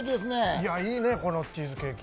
いや、いいね、このチーズケーキ。